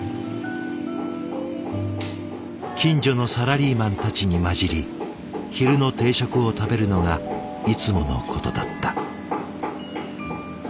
近所のサラリーマンたちに交じり昼の定食を食べるのがいつものことだった。